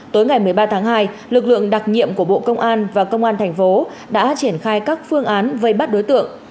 tối ngày một mươi ba tháng hai lực lượng đặc nhiệm của bộ công an và công an thành phố đã triển khai các phương án vây bắt đối tượng